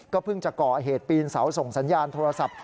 เพิ่งจะก่อเหตุปีนเสาส่งสัญญาณโทรศัพท์